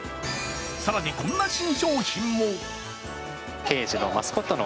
更に、こんな新商品も。